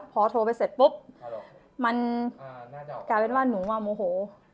พอโทรไปเสร็จปุ๊บมันกลายเป็นว่าหนูมาโมโห